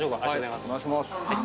お願いします。